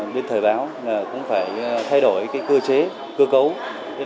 đến thời báo cũng phải thay đổi cơ chế của công việc